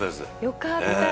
よかった。